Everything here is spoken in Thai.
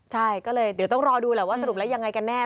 ใช่ก็เลยเดี๋ยวต้องรอดูแหละว่าสรุปแล้วยังไงกันแน่